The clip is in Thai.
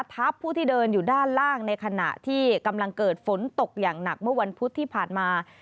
ทับผู้ที่เดินอยู่ด้านล่างในขณะที่กำลังเกิดฝนตกอย่างหนักเมื่อวันพุธที่ผ่านมา